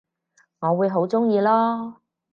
我會好鍾意囉